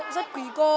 rất quý cô